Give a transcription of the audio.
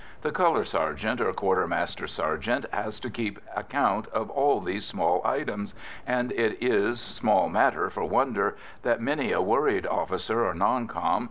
The colour sergeant or quartermaster sergeant has to keep account of all these small items, and it is small matter for wonder that many a worried officer or non com.